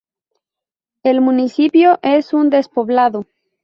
El municipio es un despoblado.